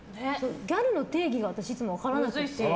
ギャルの定義が私いつも分からなくて。